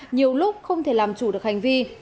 nhiều lúc không thể làm chủ được hành vi